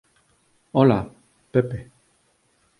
Ola, Pepe.